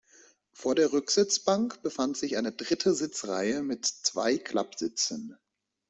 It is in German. Vor der Rücksitzbank befand sich eine dritte Sitzreihe mit zwei Klappsitzen.